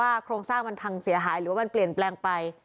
โครงสร้างมันพังเสียหายหรือว่ามันเปลี่ยนแปลงไป